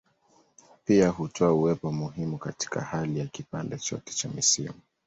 Pia hutoa uwepo muhimu katika hali ya kipande chote cha misimu.